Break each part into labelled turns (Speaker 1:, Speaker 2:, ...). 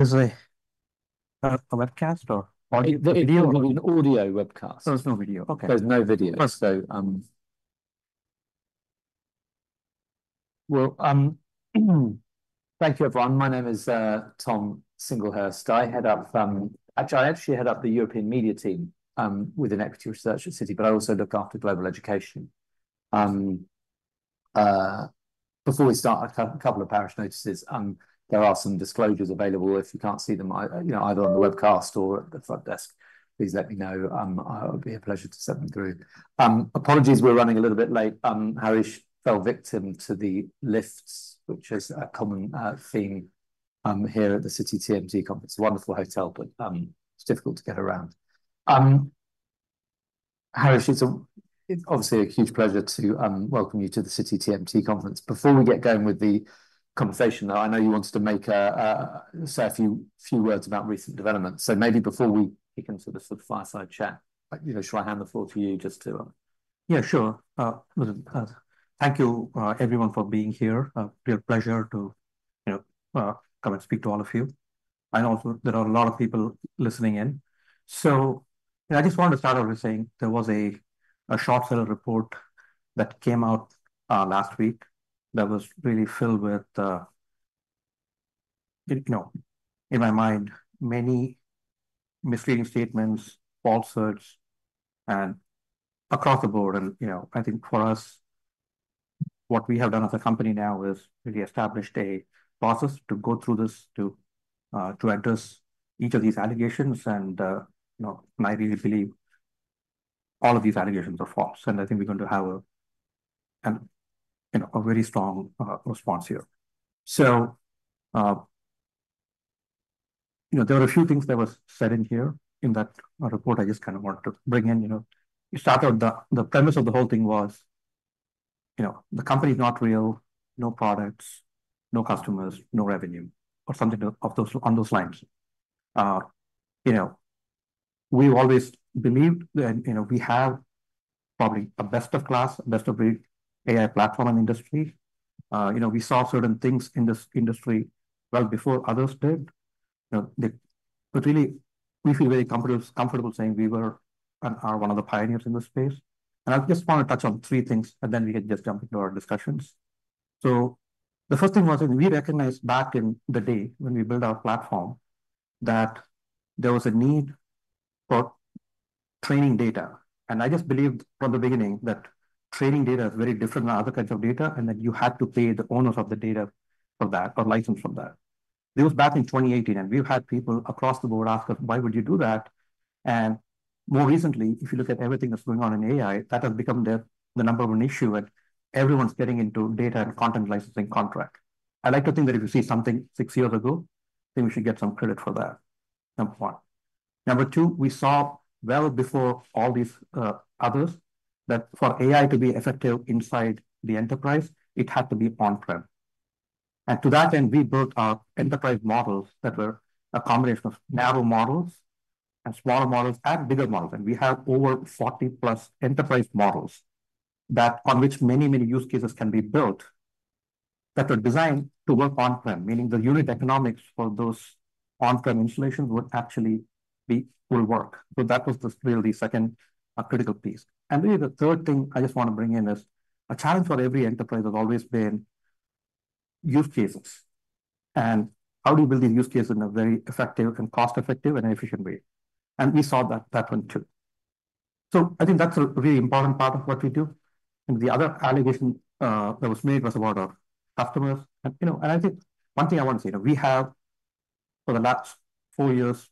Speaker 1: Is a webcast or audio video?
Speaker 2: An audio webcast.
Speaker 1: There's no video. Okay.
Speaker 2: There's no video.
Speaker 1: Okay.
Speaker 2: Thank you, everyone. My name is Tom Singlehurst. I actually am head of the European Media Team within Equity Research at Citi, but I also look after Global Education. Before we start, a couple of prior notices. There are some disclosures available. If you can't see them, either you know, either on the webcast or at the front desk, please let me know. It would be a pleasure to send them through. Apologies, we're running a little bit late. Harish fell victim to the lifts, which is a common theme here at the Citi TMT Conference. Wonderful hotel, but it's difficult to get around. Harish, it's obviously a huge pleasure to welcome you to the Citi TMT Conference. Before we get going with the conversation, I know you wanted to say a few words about recent developments. So maybe before we begin sort of the fireside chat, like, you know, should I hand the floor to you just to?
Speaker 1: Yeah, sure. Thank you, everyone, for being here. A real pleasure to, you know, come and speak to all of you. I know there are a lot of people listening in. So I just want to start over by saying there was a short seller report that came out last week that was really filled with, you know, in my mind, many misleading statements, false assertions, and across the board. And, you know, I think for us, what we have done as a company now is really established a process to go through this to address each of these allegations. And, you know, and I really believe all of these allegations are false. And I think we're going to have a, you know, a very strong response here. So you know, there are a few things that was said in here in that report I just kind of wanted to bring in. You know, it started the premise of the whole thing was, you know, the company is not real, no products, no customers, no revenue, or something on those lines. You know, we've always believed that, you know, we have probably a best of class, best of breed AI platform and industry. You know, we saw certain things in this industry well before others did. You know, but really, we feel very comfortable saying we were and are one of the pioneers in this space. I just want to touch on three things, and then we can just jump into our discussions. The first thing was we recognized back in the day, when we built our platform, that there was a need for training data. I just believed from the beginning that training data is very different than other kinds of data, and that you had to pay the owners of the data for that, or license from that. This was back in twenty eighteen, and we've had people across the board ask us, "Why would you do that?" More recently, if you look at everything that's going on in AI, that has become the number one issue, and everyone's getting into data and content licensing contract. I like to think that if you see something six years ago, then we should get some credit for that. Number one. Number two, we saw well before all these others that for AI to be effective inside the enterprise, it had to be on-prem. And to that end, we built our enterprise models that were a combination of narrow models and smaller models and bigger models. And we have over 40 plus enterprise models that on which many, many use cases can be built, that are designed to work on-prem, meaning the unit economics for those on-prem installations would actually be, will work. So that was the really second critical piece. And really, the third thing I just want to bring in is a challenge for every enterprise has always been use cases, and how do you build a use case in a very effective and cost-effective and efficient way? And we saw that one, too. So I think that's a really important part of what we do. And the other allegation that was made was about our customers. And, you know, and I think one thing I want to say, that we have for the last four years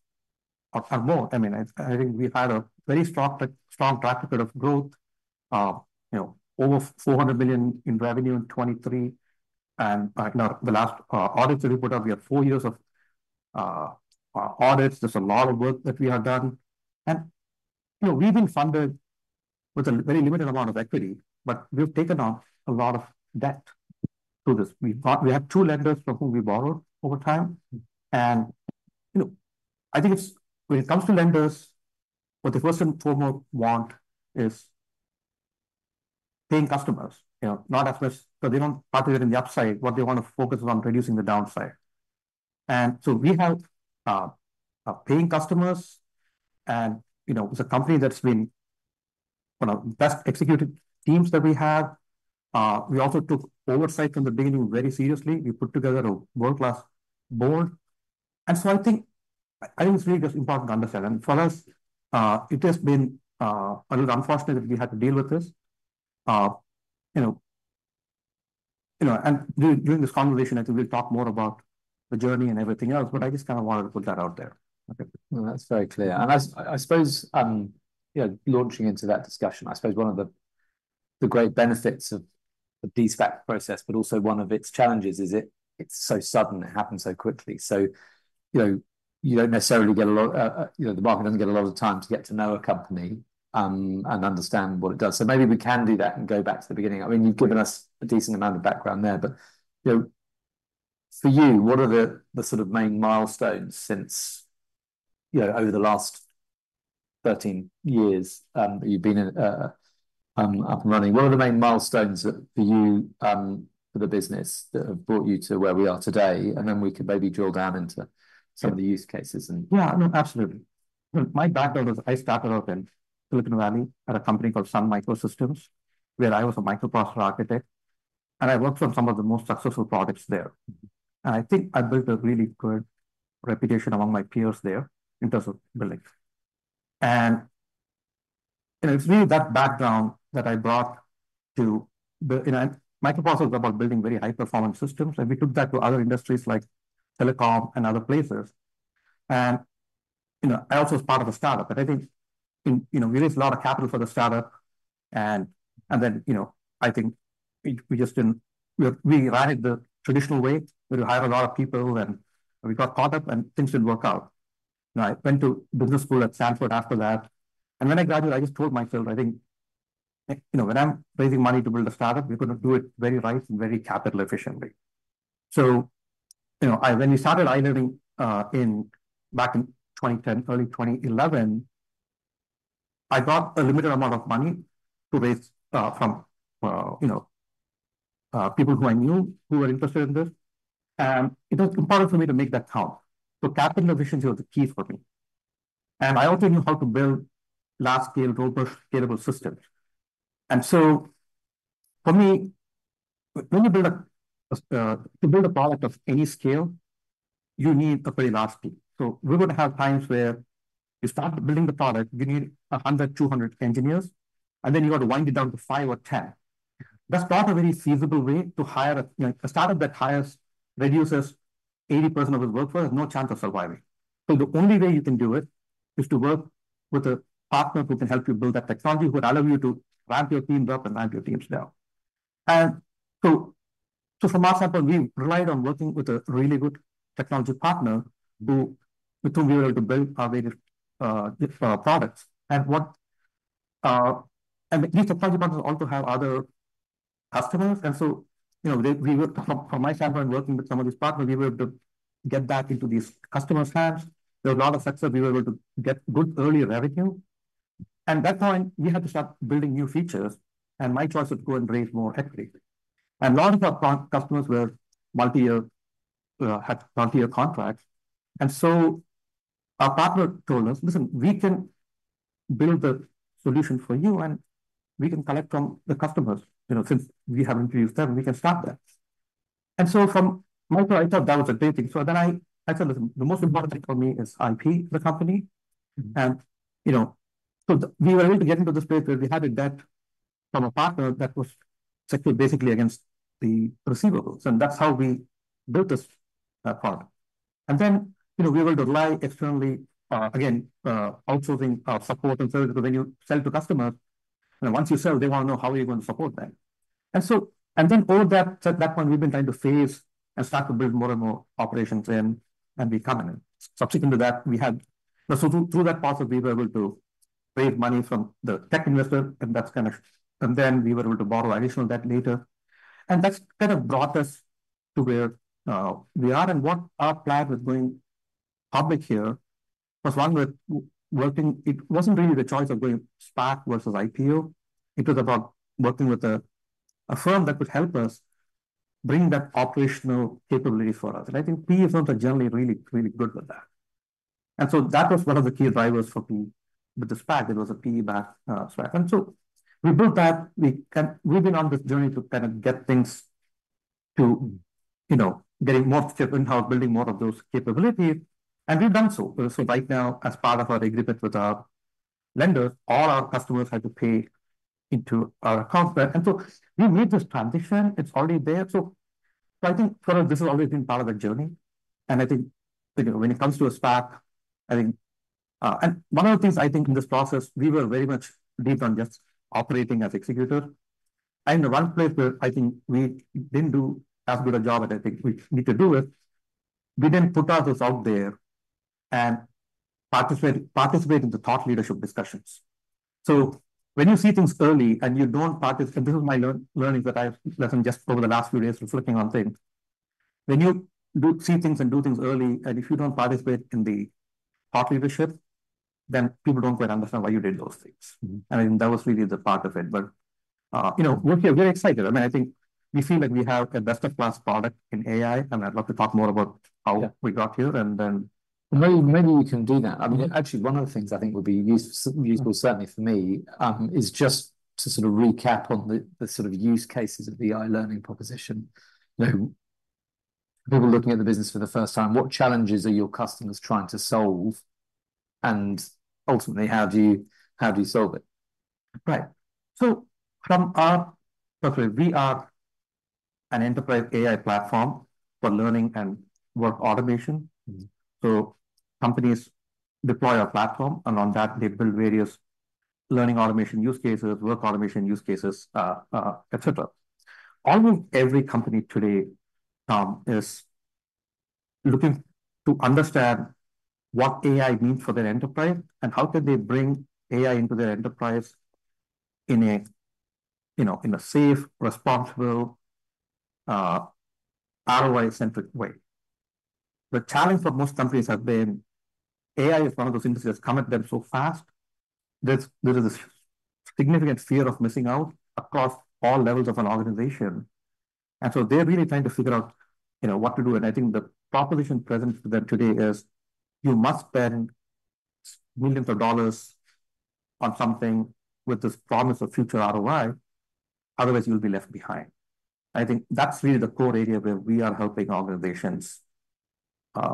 Speaker 1: or more, I mean, I think we've had a very strong, strong track record of growth. You know, over $400 million in revenue in 2023, and now the last audit report, we have four years of audits. There's a lot of work that we have done, and, you know, we've been funded with a very limited amount of equity, but we've taken on a lot of debt to this. We have two lenders from whom we borrowed over time, and, you know, I think it's...When it comes to lenders, what they first and foremost want is paying customers, you know, not as much, so they don't participate in the upside. What they want to focus on reducing the downside. And so we have paying customers and, you know, it's a company that's been, you know, best executed teams that we have. We also took oversight from the beginning very seriously. We put together a world-class board. And so I think it's really just important to understand. And for us, it has been a little unfortunate that we had to deal with this. You know, and during this conversation, I think we'll talk more about the journey and everything else, but I just kind of wanted to put that out there.
Speaker 2: Okay. Well, that's very clear, and as I suppose, you know, launching into that discussion, I suppose one of the great benefits of the de-SPAC process, but also one of its challenges, is it's so sudden. It happened so quickly. So, you know, you don't necessarily get a lot, the market doesn't get a lot of time to get to know a company, and understand what it does. So maybe we can do that and go back to the beginning. I mean, you've given us a decent amount of background there, but, you know, for you, what are the sort of main milestones since, you know, over the last 13 years you've been up and running. What are the main milestones that for you, for the business that have brought you to where we are today? And then we could maybe drill down into some of the use cases and...
Speaker 1: Yeah, no, absolutely. My background is I started out in Silicon Valley at a company called Sun Microsystems, where I was a microprocessor architect, and I worked on some of the most successful products there, and I think I built a really good reputation among my peers there in terms of buildings. And, you know, it's really that background that I brought to the, you know, microprocessor is about building very high-performance systems, and we took that to other industries like telecom and other places. And, you know, I also was part of a startup, but I think, you know, we raised a lot of capital for the startup, and then, you know, I think we just didn't. We arrived the traditional way, where we hired a lot of people, and we got caught up, and things didn't work out. I went to business school at Stanford after that, and when I graduated, I just told myself, I think, "You know, when I'm raising money to build a startup, we're gonna do it very right and very capital efficiently." So, you know, when we started iLearning back in 2010, early 2011, I got a limited amount of money to raise from you know people who I knew who were interested in this, and it was important for me to make that count. So capital efficiency was the key for me. And I also knew how to build large-scale, robust, scalable systems. And so for me, when you build a product of any scale, you need a very large team. So we're going to have times where you start building the product, we need 100, 200 engineers, and then you got to wind it down to five or 10. That's not a very feasible way to hire a... You know, a startup that hires, reduces 80% of its workforce has no chance of surviving. So the only way you can do it is to work with a partner who can help you build that technology, who would allow you to ramp your team up and ramp your teams down. And so, so from our standpoint, we relied on working with a really good technology partner to, to be able to build our various different products. And what... These technology partners also have other customers, and so, you know, we were, from my standpoint, working with some of these partners, able to get back into these customers' hands. There was a lot of success. We were able to get good early revenue, and that time, we had to start building new features, and my choice was go and raise more equity. A lot of our pro customers were multi-year, had multi-year contracts. And so our partner told us, "Listen, we can build the solution for you, and we can collect from the customers. You know, since we haven't used them, we can start that." And so from my point, I thought that was a great thing. So then I said, "Listen, the most important thing for me is IP, the company.
Speaker 2: Mm-hmm.
Speaker 1: And, you know, so we were able to get into the space where we had a debt from a partner that was secured basically against the receivables, and that's how we built this product. And then, you know, we were able to rely extremely again outsourcing support and service. So when you sell to customers, and once you sell, they want to know how are you going to support that. And so and then all that, at that point, we've been trying to phase and start to build more and more operations in, and we come in. Subsequent to that, we had. So through that process, we were able to raise money from the tech investor, and that's kinda and then we were able to borrow additional debt later. That's kind of brought us to where we are and what our plan with going public here. Because along with working, it wasn't really the choice of going SPAC versus IPO. It was about working with a firm that would help us bring that operational capability for us. I think PE firms are generally really, really good with that. That was one of the key drivers for PE. With the SPAC, it was a PE-backed SPAC. We built that. We've been on this journey to kind of get things to, you know, getting more ship in-house, building more of those capabilities, and we've done so. Right now, as part of our agreement with our lenders, all our customers had to pay into our account. We made this transition. It's already there. I think sort of this has always been part of the journey, and I think, you know, when it comes to a SPAC, I think, and one of the things I think in this process, we were very much deep on just operating as executor, and one place where I think we didn't do as good a job as I think we need to do is, we didn't put ourselves out there and participate in the thought leadership discussions, so when you see things early and you don't participate, and this is my learning that I've learned just over the last few days reflecting on things. When you see things and do things early, and if you don't participate in the thought leadership, then people don't quite understand why you did those things.
Speaker 2: Mm-hmm.
Speaker 1: And that was really the part of it. But, you know, we're excited. I mean, I think we feel like we have a best-in-class product in AI, and I'd love to talk more about-
Speaker 2: Yeah...
Speaker 1: how we got here, and then-
Speaker 2: Maybe we can do that.
Speaker 1: Yeah.
Speaker 2: I mean, actually, one of the things I think would be useful, certainly for me, is just to sort of recap on the sort of use cases of the iLearning proposition. You know, people looking at the business for the first time, what challenges are your customers trying to solve, and ultimately, how do you solve it?
Speaker 1: Right. Okay, we are an enterprise AI platform for learning and work automation.
Speaker 2: Mm-hmm.
Speaker 1: Companies deploy our platform, and on that, they build various learning automation use cases, work automation use cases, et cetera. Almost every company today is looking to understand what AI means for their enterprise and how can they bring AI into their enterprise in a, you know, in a safe, responsible, ROI-centric way. The challenge for most companies have been AI is one of those things that has come at them so fast, there is a significant fear of missing out across all levels of an organization. And so they're really trying to figure out, you know, what to do. And I think the proposition present to them today is you must spend millions of dollars on something with this promise of future ROI, otherwise you'll be left behind. I think that's really the core area where we are helping organizations, you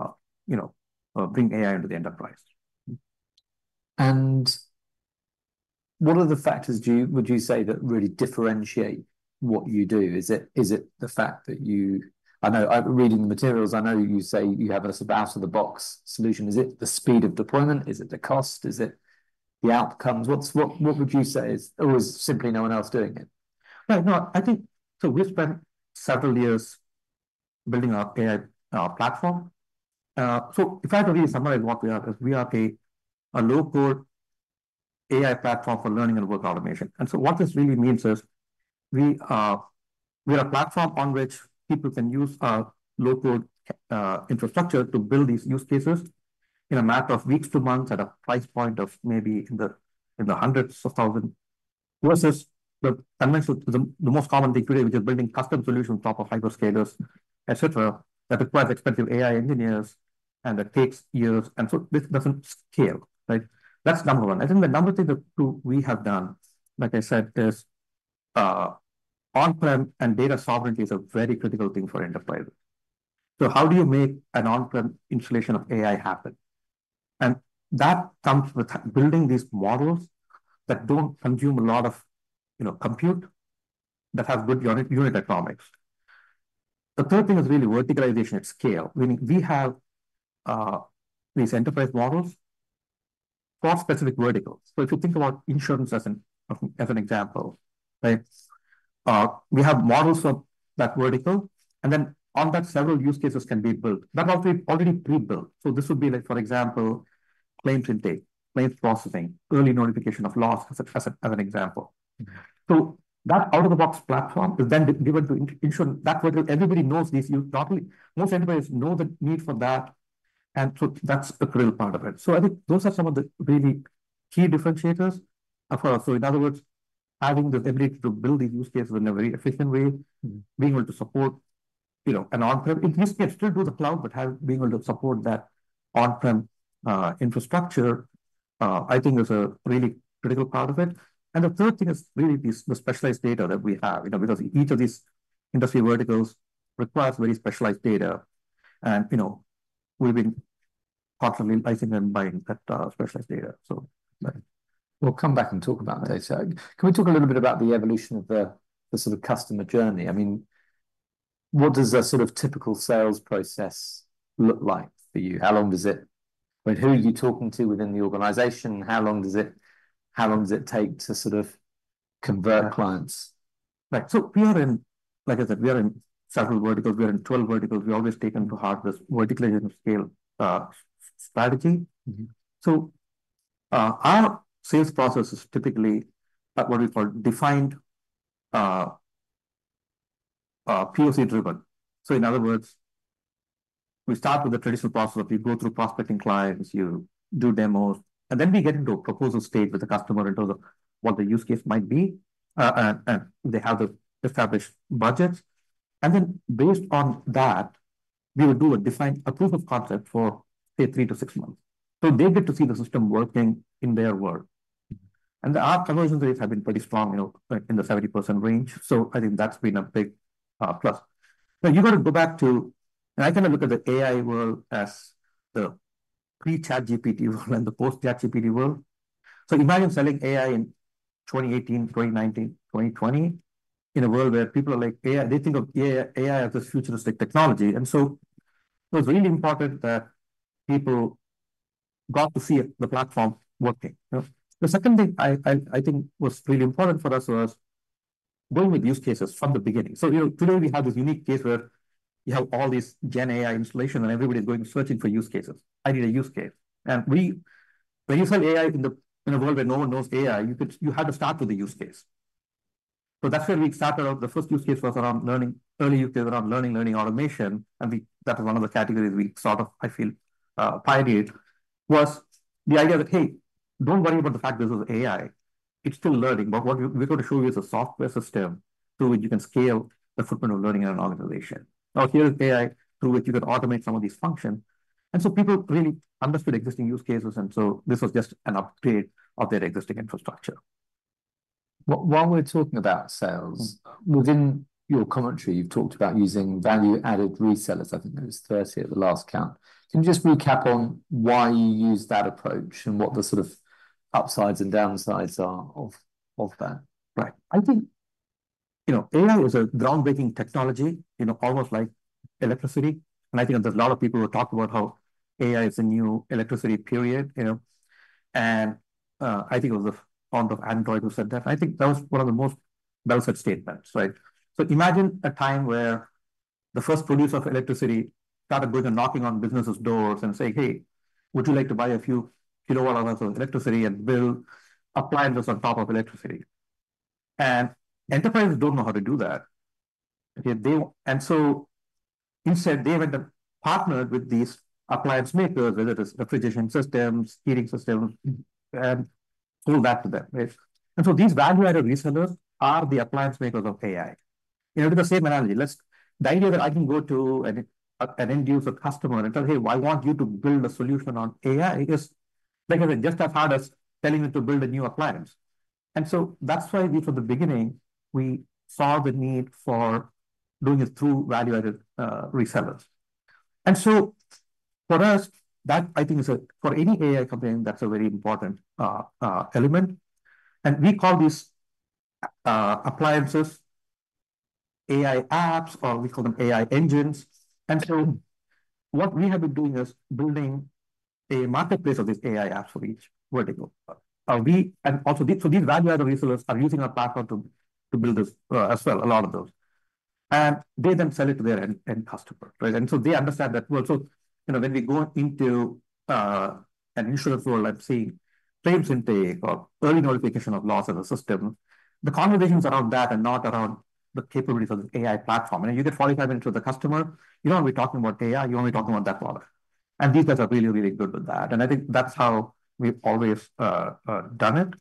Speaker 1: know, bring AI into the enterprise.
Speaker 2: And what are the factors would you say that really differentiate what you do? Is it, is it the fact that you... I know, I've reading the materials, I know you say you have this out-of-the-box solution. Is it the speed of deployment? Is it the cost? Is it the outcomes? What would you say is, or is simply no one else doing it?
Speaker 1: No, no, I think. So we've spent several years building our AI platform. So if I have to really summarize what we are, is we are a low-code AI platform for learning and work automation. And so what this really means is we are a platform on which people can use low-code infrastructure to build these use cases in a matter of weeks to months, at a price point of maybe in the hundreds of thousands, versus the dimension, the most common thing today, which is building custom solutions on top of hyperscalers, etc., that requires expensive AI engineers, and that takes years, and so this doesn't scale, right? That's number one. I think the number two that we have done, like I said, is on-prem and data sovereignty is a very critical thing for enterprise. So how do you make an on-prem installation of AI happen? And that comes with building these models that don't consume a lot of, you know, compute, that have good unit economics. The third thing is really verticalization at scale. We have these enterprise models for specific verticals. So if you think about insurance as an example, right? We have models for that vertical, and then on that, several use cases can be built, that might be already pre-built. So this would be like, for example, claims intake, claims processing, early notification of loss, as an example. So that out-of-the-box platform is then given to insurance. That vertical, everybody knows this. You probably most enterprises know the need for that, and so that's the critical part of it. So I think those are some of the really key differentiators. So in other words, having the ability to build these use cases in a very efficient way, being able to support, you know, an on-prem. In this case, still do the cloud, but being able to support that on-prem infrastructure, I think is a really critical part of it. And the third thing is really the specialized data that we have. You know, because each of these industry verticals requires very specialized data. And, you know, we've been partially, I think, then buying that specialized data. So, right.
Speaker 2: We'll come back and talk about data. Can we talk a little bit about the evolution of the sort of customer journey? I mean, what does a sort of typical sales process look like for you? How long does it... I mean, who are you talking to within the organization? How long does it take to sort of convert clients?
Speaker 1: Right, so we are in, like I said, we are in several verticals. We are in 12 verticals. We always taken to heart this verticalization of scale, strategy.
Speaker 2: Mm-hmm.
Speaker 1: So, our sales process is typically what we call defined POC driven. So in other words, we start with the traditional process, where you go through prospecting clients, you do demos, and then we get into a proposal stage with the customer in terms of what the use case might be. And they have the established budgets. And then based on that, we will do a design, a proof of concept for, say, three to six months. So they get to see the system working in their world. And our conversion rates have been pretty strong, you know, like in the 70% range. So I think that's been a big plus. But you got to go back to... And I kind of look at the AI world as the pre-ChatGPT world and the post-ChatGPT world. Imagine selling AI in 2018, 2019, 2020, in a world where people are like, AI, they think of AI, AI as this futuristic technology. It was really important that people got to see the platform working, you know? The second thing I think was really important for us was building with use cases from the beginning. You know, today we have this unique case where you have all this Gen AI installation, and everybody's going searching for use cases. "I need a use case." And when you sell AI in a world where no one knows AI, you had to start with a use case. That's where we started out. The first use case was around learning automation. And we, that was one of the categories we sort of, I feel, pioneered, was the idea that, hey, don't worry about the fact this is AI. It's still learning. But what we're going to show you is a software system through which you can scale the footprint of learning in an organization. Now, here's AI, through which you can automate some of these functions. And so people really understood existing use cases, and so this was just an upgrade of their existing infrastructure.
Speaker 2: While we're talking about sales, within your commentary, you've talked about using value-added resellers. I think there was 30 at the last count. Can you just recap on why you use that approach and what the sort of upsides and downsides are of that?
Speaker 1: Right. I think, you know, AI is a groundbreaking technology, you know, almost like electricity. And I think there's a lot of people who talk about how AI is the new electricity, period, you know? And, I think it was the founder of Android who said that. I think that was one of the most well said statements, right? So imagine a time where the first producer of electricity started going and knocking on businesses' doors and saying, "Hey, would you like to buy a few kilowatt hours of electricity and build appliances on top of electricity?"... and enterprises don't know how to do that. Okay, they. And so instead, they went and partnered with these appliance makers, whether it is refrigeration systems, heating systems, go back to them, right? And so these value-added resellers are the appliance makers of AI. You know, with the same analogy, the idea that I can go to an end user customer and tell, "Hey, I want you to build a solution on AI," is, like I said, just as hard as telling them to build a new appliance. And so that's why we, from the beginning, we saw the need for doing it through value-added resellers. And so for us, that I think is a for any AI company, that's a very important element. And we call these appliances AI apps, or we call them AI engines. And so what we have been doing is building a marketplace of these AI apps for each vertical. And also, so these value-added resellers are using our platform to build this, as well, a lot of those. They then sell it to their end customer, right, and so they understand that well, so you know, when we go into an insurance role, let's say, claims intake or early notification of loss of a system, the conversations around that are not around the capabilities of the AI platform, and 45 into the customer, you're not really talking about AI, you're only talking about that product, and these guys are really, really good with that, and I think that's how we've always done it,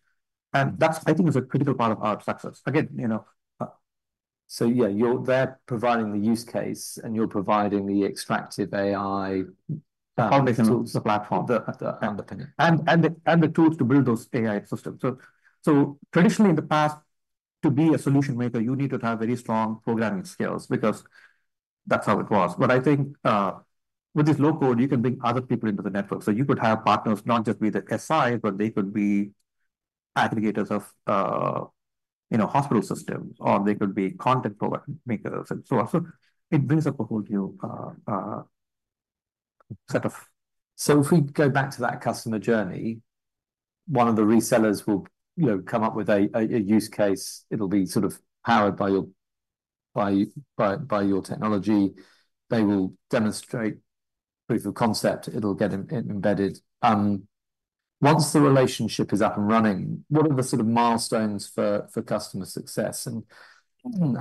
Speaker 1: and that's, I think, is a critical part of our success. Again, you know,
Speaker 2: So yeah, they're providing the use case, and you're providing the extractive AI.
Speaker 1: Foundation, the platform.
Speaker 2: The underpinning.
Speaker 1: And the tools to build those AI systems. So traditionally in the past, to be a solution maker, you needed to have very strong programming skills because that's how it was. But I think, with this low-code, you can bring other people into the network. So you could have partners, not just be the SI, but they could be aggregators of, you know, hospital systems, or they could be content providers and so on. So it brings up a whole new set of-
Speaker 2: So if we go back to that customer journey, one of the resellers will, you know, come up with a use case. It'll be sort of powered by your technology. They will demonstrate proof of concept. It'll get embedded. Once the relationship is up and running, what are the sort of milestones for customer success, and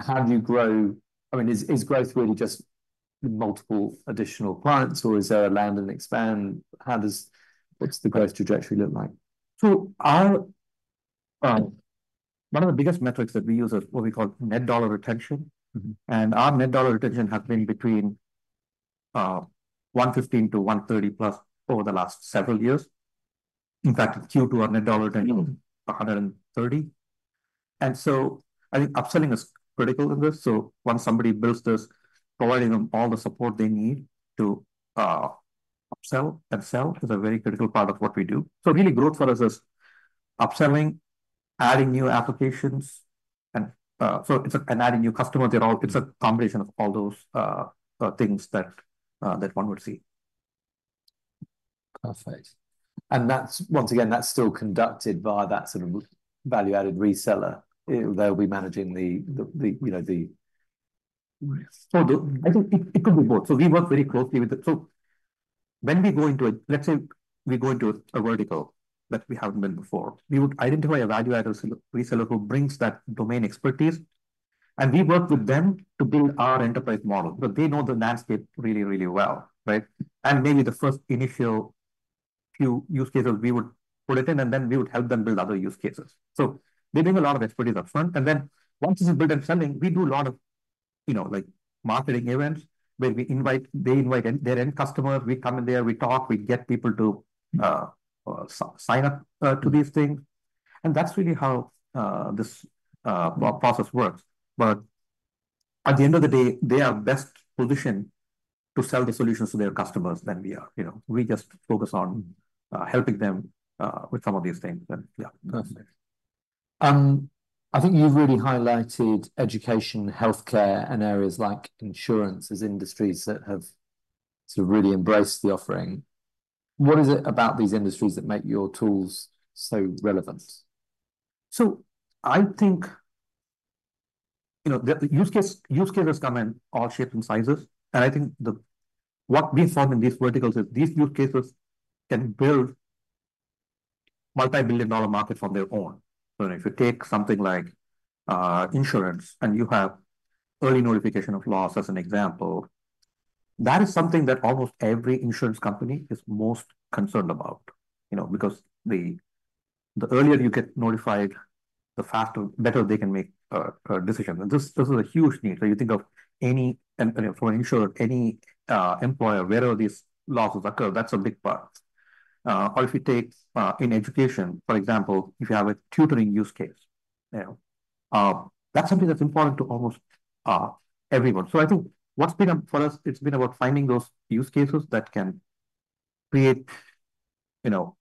Speaker 2: how do you grow? I mean, is growth really just multiple additional clients, or is there a land and expand? How does... What's the growth trajectory look like?
Speaker 1: So our one of the biggest metrics that we use is what we call net dollar retention.
Speaker 2: Mm-hmm.
Speaker 1: And our net dollar retention has been between 115 - 130+ over the last several years. In fact, Q2, our net dollar retention-
Speaker 2: Mm-hmm...
Speaker 1: 130. And so I think upselling is critical in this. So once somebody builds this, providing them all the support they need to upsell and sell is a very critical part of what we do. So really, growth for us is upselling, adding new applications, and adding new customers. They're all. It's a combination of all those things that one would see.
Speaker 2: Perfect. And that's, once again, that's still conducted via that sort of value-added reseller. They'll be managing the, you know, the-
Speaker 1: I think it could be both. So we work very closely with them. So when we go into a vertical that we haven't been before, we would identify a value-added reseller who brings that domain expertise, and we work with them to build our enterprise model, because they know the landscape really, really well, right? And maybe the first initial few use cases, we would pull it in, and then we would help them build other use cases. So they bring a lot of expertise upfront. And then once this is built and selling, we do a lot of, you know, like marketing events, where they invite their end customers. We come in there, we talk, we get people to sign up to these things. And that's really how this process works. But at the end of the day, they are best positioned to sell the solutions to their customers than we are. You know, we just focus on helping them with some of these things. But yeah.
Speaker 2: Perfect. I think you've really highlighted education, healthcare, and areas like insurance as industries that have sort of really embraced the offering. What is it about these industries that make your tools so relevant?
Speaker 1: So I think, you know, the use cases come in all shapes and sizes, and I think what we found in these verticals is these use cases can build multi-billion-dollar market on their own. So if you take something like insurance, and you have early notification of loss, as an example, that is something that almost every insurance company is most concerned about. You know, because the earlier you get notified, the faster, better they can make a decision. And this is a huge need. So you think of any insurer, any employer, wherever these losses occur, that's a big part. Or if you take in education, for example, if you have a tutoring use case, you know, that's something that's important to almost everyone. I think what's been for us, it's been about finding those use cases that can create, you know,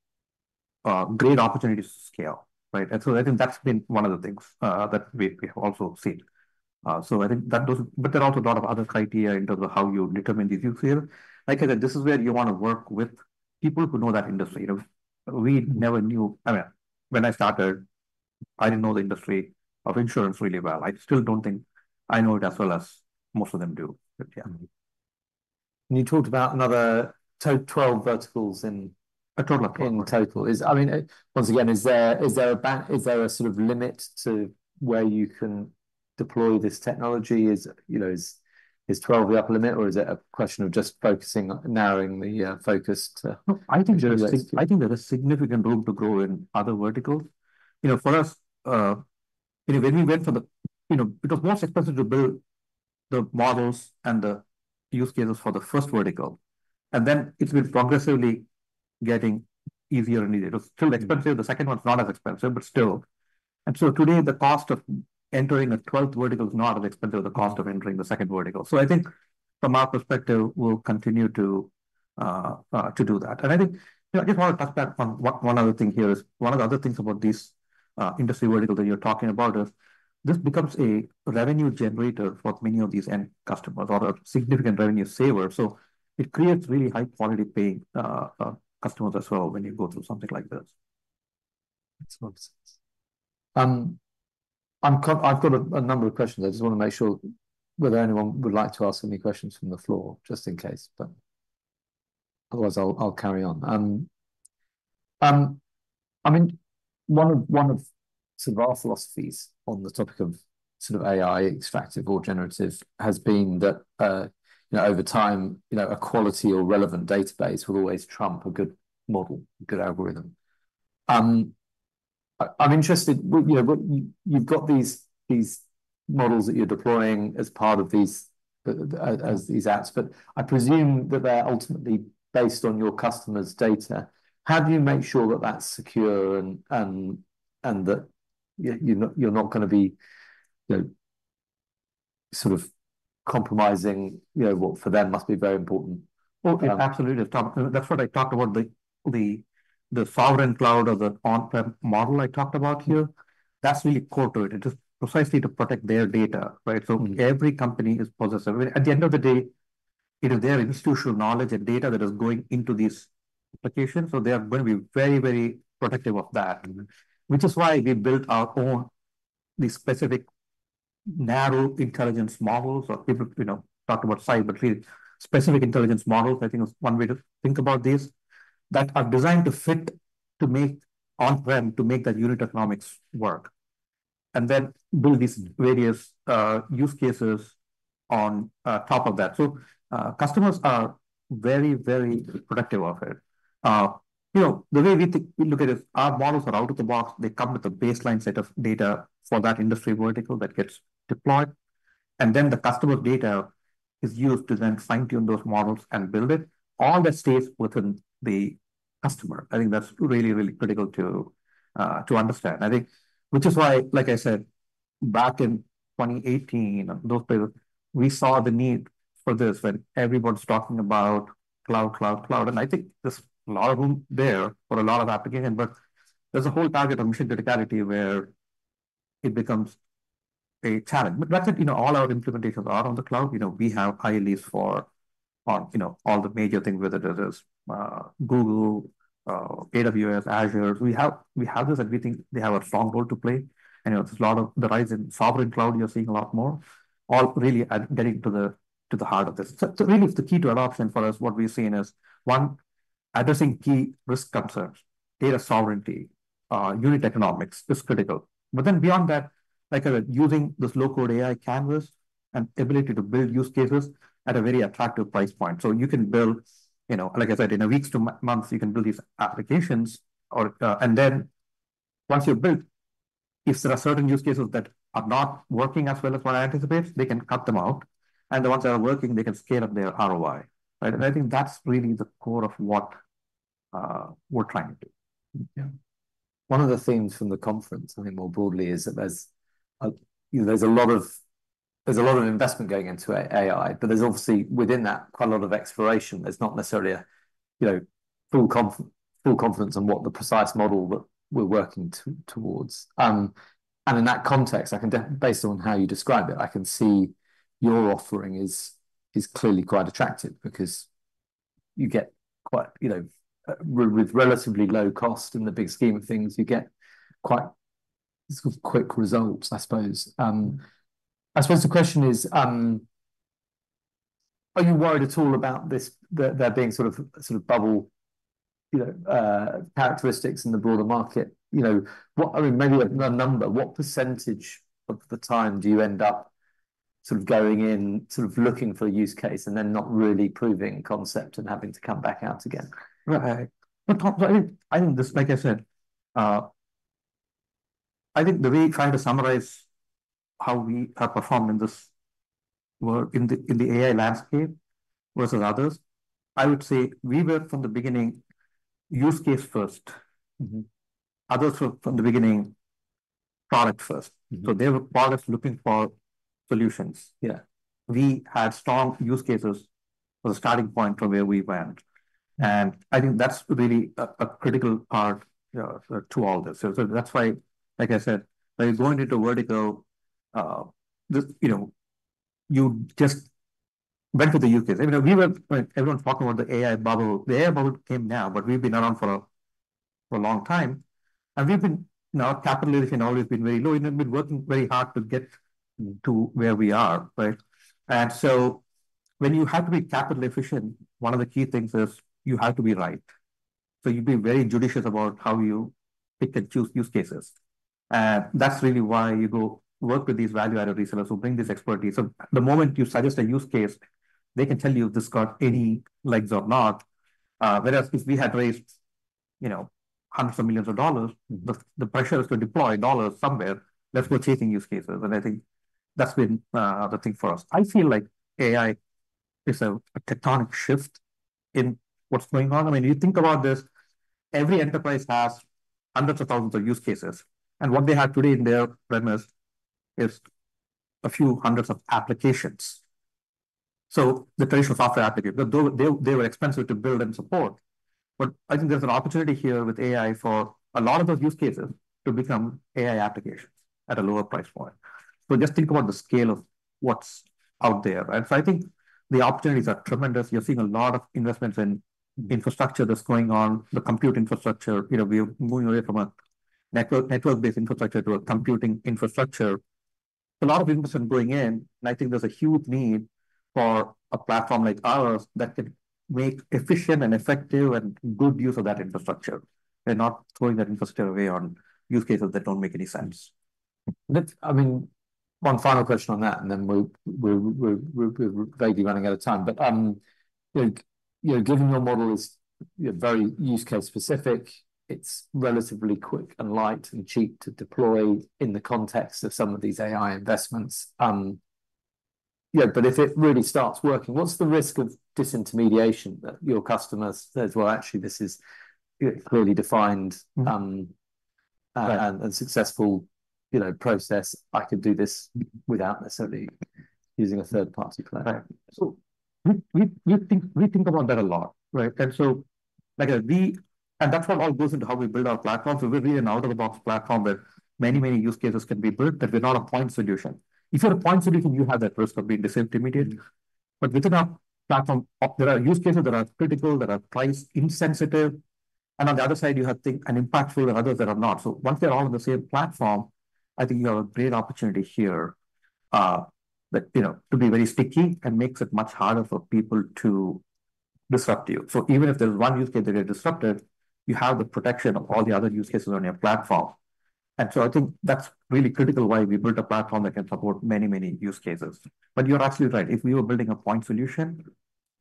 Speaker 1: great opportunities to scale, right? And so I think that's been one of the things that we have also seen. So I think that those, but there are also a lot of other criteria in terms of how you determine the use case here. Like I said, this is where you wanna work with people who know that industry. You know, we never knew. I mean, when I started, I didn't know the industry of insurance really well. I still don't think I know it as well as most of them do, but yeah....
Speaker 2: And you talked about another 12 verticals in total. Is, I mean, once again, is there a sort of limit to where you can deploy this technology? Is, you know, twelve the upper limit, or is it a question of just focusing, narrowing the focus to-
Speaker 1: No, I think there is, I think there is significant room to grow in other verticals. You know, for us, you know, when we went for the... You know, because most expensive to build the models and the use cases for the first vertical, and then it's been progressively getting easier and easier. It was still expensive.
Speaker 2: Mm-hmm.
Speaker 1: The second one is not as expensive, but still. Today, the cost of entering a twelfth vertical is not as expensive as the cost of entering the second vertical. I think from our perspective, we'll continue to do that. I think, you know, I just want to touch back on one other thing here. One of the other things about this industry vertical that you're talking about is this becomes a revenue generator for many of these end customers or a significant revenue saver. It creates really high-quality paying customers as well when you go through something like this.
Speaker 2: That makes a lot of sense. I've got a number of questions. I just wanna make sure whether anyone would like to ask any questions from the floor, just in case, but otherwise, I'll carry on. I mean, one of sort of our philosophies on the topic of sort of AI, extractive or generative, has been that, you know, over time, you know, a quality or relevant database will always trump a good model, a good algorithm. I'm interested with, you know, what you've got these models that you're deploying as part of these as these apps, but I presume that they're ultimately based on your customers' data. How do you make sure that that's secure and that you're not gonna be, you know, sort of compromising, you know, what for them must be very important?
Speaker 1: Absolutely, Tom. That's what I talked about, the sovereign cloud or the on-prem model I talked about here. That's really core to it. It is precisely to protect their data, right? So every company is possessive. At the end of the day, it is their institutional knowledge and data that is going into this application, so they are gonna be very, very protective of that. Which is why we built our own, these specific narrow intelligence models, or people, you know, talked about size, but really specific intelligence models, I think is one way to think about this, that are designed to fit, to make on-prem, to make that unit economics work, and then build these various use cases on top of that. So, customers are very, very protective of it. You know, the way we think, we look at it, our models are out of the box. They come with a baseline set of data for that industry vertical that gets deployed, and then the customer data is used to then fine-tune those models and build it. All that stays within the customer. I think that's really, really critical to, to understand. I think, which is why, like I said, back in 2018, those days, we saw the need for this when everyone's talking about cloud, cloud, cloud. And I think there's a lot of room there for a lot of application, but there's a whole target on mission criticality, where it becomes a challenge. But that's it, you know, all our implementations are on the cloud. You know, we have hyperscalers for, you know, all the major things, whether it is, Google, AWS, Azure. We have this, and we think they have a strong role to play. You know, there's a lot of the rise in sovereign cloud, you're seeing a lot more, all really getting to the heart of this. Really, it's the key to adoption for us. What we've seen is, one, addressing key risk concerns, data sovereignty, unit economics is critical. But then beyond that, like I said, using this low-code AI canvas and ability to build use cases at a very attractive price point. You can build, you know, like I said, in weeks to months, you can build these applications or... And then once you build, if there are certain use cases that are not working as well as one anticipates, they can cut them out, and the ones that are working, they can scale up their ROI, right? And I think that's really the core of what we're trying to do.
Speaker 2: Yeah. One of the themes from the conference, I think more broadly, is that there's, you know, a lot of investment going into AI, but there's obviously within that, quite a lot of exploration. There's not necessarily a, you know, full confidence on what the precise model that we're working towards. And in that context, based on how you describe it, I can see your offering is clearly quite attractive because you get quite, you know, with relatively low cost in the big scheme of things, you get quite sort of quick results, I suppose. I suppose the question is, are you worried at all about this, that there being sort of bubble, you know, characteristics in the broader market? You know, what, I mean, maybe not a number, what percentage of the time do you end up sort of going in, sort of looking for a use case and then not really proof of concept and having to come back out again?
Speaker 1: Right. But, Tom, I think this, like I said, I think the way trying to summarize how we are performing this work in the AI landscape versus others, I would say we were, from the beginning, use case first.
Speaker 2: Mm-hmm.
Speaker 1: Others were, from the beginning, product first.
Speaker 2: Mm-hmm.
Speaker 1: So they were part of looking for solutions.
Speaker 2: Yeah.
Speaker 1: We had strong use cases as a starting point from where we went, and I think that's really a critical part to all this. So that's why, like I said, when you're going into vertical, you know, you just went with the use case. I mean, when everyone's talking about the AI bubble, the AI bubble came now, but we've been around for a long time, and we've been, you know, our capital efficient always been very low, and we've been working very hard to get to where we are, right? So when you have to be capital efficient, one of the key things is you have to be right. So you've been very judicious about how you pick and choose use cases. That's really why you go work with these value-added resellers who bring this expertise. So the moment you suggest a use case, they can tell you if this got any legs or not. Whereas if we had raised, you know, hundreds of millions of dollars, the pressure is to deploy dollars somewhere that's worth chasing use cases, and I think that's been the thing for us. I feel like AI is a tectonic shift in what's going on. I mean, you think about this, every enterprise has hundreds of thousands of use cases, and what they have today in their premises is a few hundreds of applications. So the traditional software application, though they were expensive to build and support. But I think there's an opportunity here with AI for a lot of those use cases to become AI applications at a lower price point. So just think about the scale of what's out there, right? I think the opportunities are tremendous. You're seeing a lot of investments in infrastructure that's going on, the compute infrastructure. You know, we're moving away from a network-based infrastructure to a computing infrastructure. A lot of investment going in, and I think there's a huge need for a platform like ours that could make efficient and effective and good use of that infrastructure, and not throwing that infrastructure away on use cases that don't make any sense.
Speaker 2: That's... I mean, one final question on that, and then we'll, we're vaguely running out of time. But, you know, given your model is, you know, very use-case specific, it's relatively quick and light and cheap to deploy in the context of some of these AI investments. Yeah, but if it really starts working, what's the risk of disintermediation that your customer says, "Well, actually, this is a clearly defined,"-
Speaker 1: Right...
Speaker 2: and successful, you know, process. I could do this without necessarily using a third-party provider?
Speaker 1: Right. We think about that a lot, right? And so that's what all goes into how we build our platform. We build an out-of-the-box platform where many use cases can be built, that we're not a point solution. If you're a point solution, you have that risk of being disintermediated. But within our platform, there are use cases that are critical, that are price insensitive, and on the other side, you have things, an in that pool and others that are not. Once they're all on the same platform, I think you have a great opportunity here, you know, to be very sticky and makes it much harder for people to disrupt you. Even if there's one use case that you're disrupted, you have the protection of all the other use cases on your platform. And so I think that's really critical why we built a platform that can support many, many use cases. But you're absolutely right. If we were building a point solution,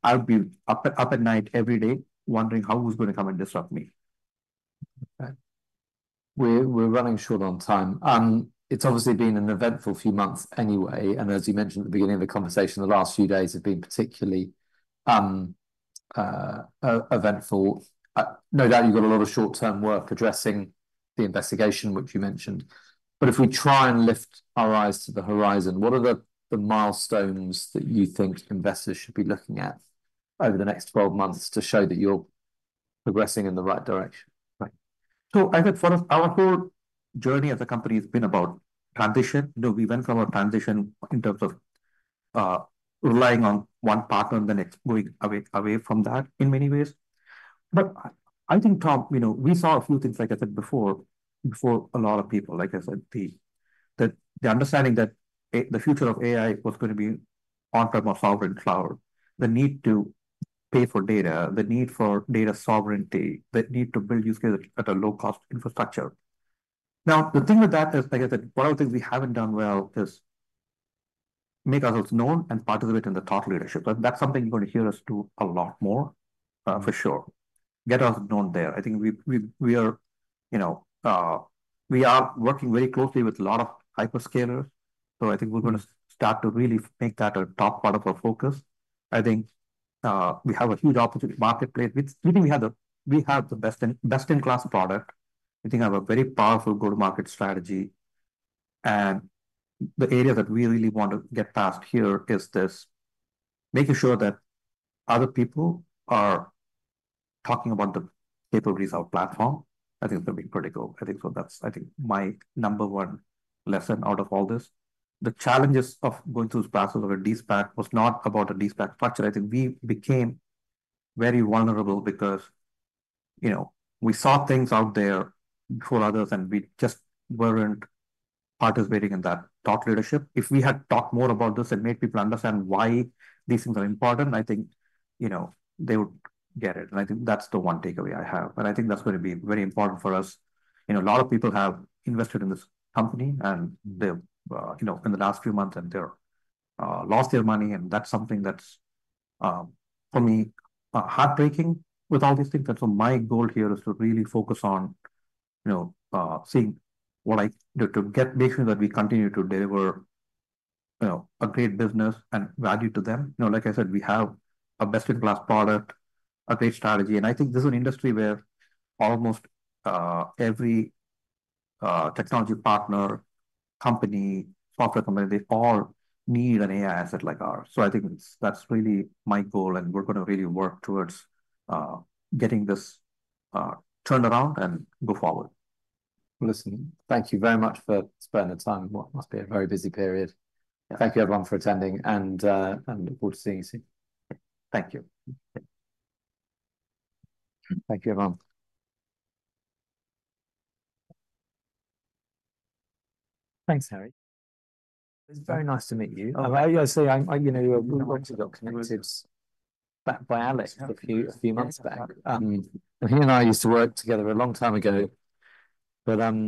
Speaker 1: I would be up at night every day wondering who's gonna come and disrupt me.
Speaker 2: Okay. We're running short on time. It's obviously been an eventful few months anyway, and as you mentioned at the beginning of the conversation, the last few days have been particularly eventful. No doubt you've got a lot of short-term work addressing the investigation, which you mentioned. But if we try and lift our eyes to the horizon, what are the milestones that you think investors should be looking at over the next twelve months to show that you're progressing in the right direction?
Speaker 1: Right. So I think for us, our whole journey as a company has been about transition. You know, we went from a transition in terms of relying on one partner, and then it's going away, away from that in many ways. But I think, Tom, you know, we saw a few things, like I said before, a lot of people, like I said, that the understanding that the future of AI was gonna be on-prem or sovereign cloud. The need to pay for data, the need for data sovereignty, the need to build use cases at a low-cost infrastructure. Now, the thing with that is, like I said, one of the things we haven't done well is make ourselves known and participate in the thought leadership. But that's something you're gonna hear us do a lot more, for sure. Get us known there. I think we are, you know, we are working very closely with a lot of hyperscalers, so I think we're gonna start to really make that a top part of our focus. I think we have a huge opportunity marketplace, which we think we have the best-in-class product. I think we have a very powerful go-to-market strategy, and the area that we really want to get past here is this, making sure that other people are talking about the capabilities of our platform. I think it's gonna be critical. I think so that's, I think, my number one lesson out of all this. The challenges of going through this process of a de-SPAC was not about a de-SPAC structure. I think we became very vulnerable because, you know, we saw things out there before others, and we just weren't participating in that thought leadership. If we had talked more about this and made people understand why these things are important, I think, you know, they would get it, and I think that's the one takeaway I have. But I think that's gonna be very important for us. You know, a lot of people have invested in this company, and they've, you know, in the last few months, and they're lost their money, and that's something that's for me heartbreaking with all these things. And so my goal here is to really focus on, you know, seeing what I do to get, making sure that we continue to deliver, you know, a great business and value to them. You know, like I said, we have a best-in-class product, a great strategy, and I think this is an industry where almost every technology partner, company, software company, they all need an AI asset like ours. So I think it's... that's really my goal, and we're gonna really work towards getting this turned around and go forward.
Speaker 2: Listen, thank you very much for spending the time. It must be a very busy period.
Speaker 1: Yeah.
Speaker 2: Thank you, everyone, for attending, and look forward to seeing you soon. Thank you. Thank you, everyone. Thanks, Harish. It's very nice to meet you. You know, we actually got connected back by Alex a few months back. And he and I used to work together a long time ago, but